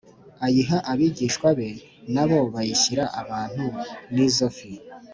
ayiha abigishwa be na bo bayishyira abantu n izo fi